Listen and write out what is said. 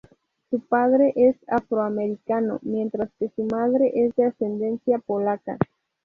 Su padre es afroamericano, mientras que su madre es de ascendencia polaca.